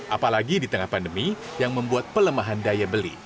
apalagi di tengah pandemi yang membuat pelemahan daya beli